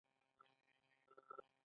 د ترانسپورت وزارت ټرافیک تنظیموي